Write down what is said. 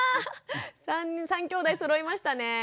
３きょうだいそろいましたね。